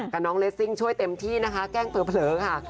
แต่น้องเลสซิ่งช่วยเต็มที่นะคะแกล้งเผลอค่ะ